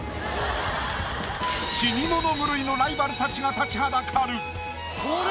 死に物狂いのライバルたちが立ちはだかる。